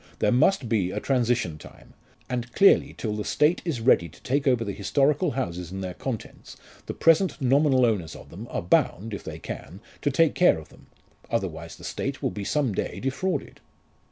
There must be a transition time, and clearly till the State is ready to take over the historical houses and their contents, the present nominal owners of them are bound, if they can, to take care of them. Otherwise the State will be some day defrauded."